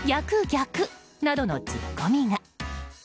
逆！などのツッコミが。